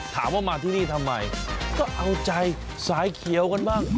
ถามว่ามาที่นี่ทำไมก็เอาใจสายเขียวกันบ้าง